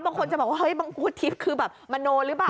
บางคนจะบอกว่าเฮ้ยมังกุทิพย์คือแบบมโนหรือเปล่า